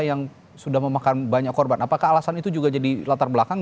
yang sudah memakan banyak korban apakah alasan itu juga jadi latar belakang